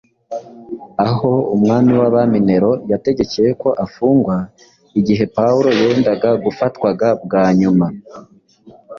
aho umwami w’abami Nero yategekeye ko afungwa igihe Pawulo yendaga gufatwaga bwa nyuma